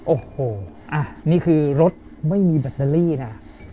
โอ้โหนี่คือรถไม่มีแบตเตอรี่นะ